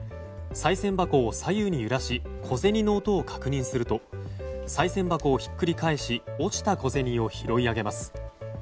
さい銭箱を左右に揺らし小銭の音を確認するとさい銭箱をひっくり返し落ちた小銭を拾い上げます。